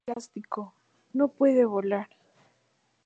Son de plástico. No puede volar.